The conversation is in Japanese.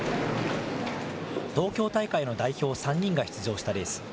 東京大会の代表３人が出場したレース。